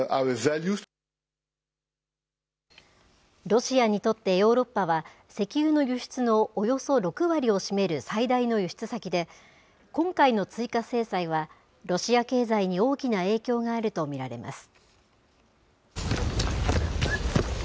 ロシアにとってヨーロッパは、石油の輸出のおよそ６割を占める最大の輸出先で、今回の追加制裁は、ロシア経済に大きな影響があると見られます。